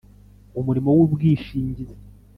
umurimo w ubwishingizi